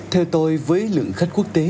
theo tôi với lượng khách quốc tế